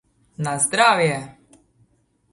Na zdravje!